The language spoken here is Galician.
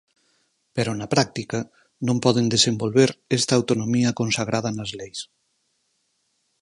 Pero na práctica non poden desenvolver esta autonomía consagrada nas leis.